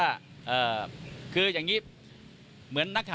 คุณผู้ชมฟังเสียงพี่โจ๊กหน่อยค่ะ